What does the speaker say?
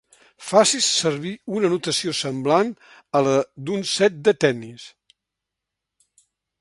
Facis servir una notació semblant a la d'un set de tennis.